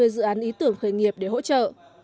một mươi dự án ý tưởng khởi nghiệp để hỗ trợ